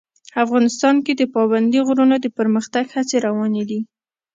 افغانستان کې د پابندي غرونو د پرمختګ هڅې روانې دي.